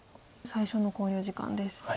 最初の考慮時間です。